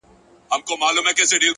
صبر د سختو وختونو توازن ساتي.!